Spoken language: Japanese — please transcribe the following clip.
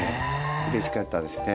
うれしかったですね